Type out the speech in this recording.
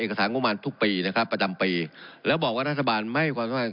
เอกสารงบประมาณทุกปีนะครับประจำปีแล้วบอกว่ารัฐบาลไม่ให้ความสำคัญ